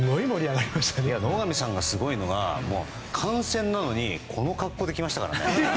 野上さんがすごいのは観戦なのにこの格好で来ましたからね。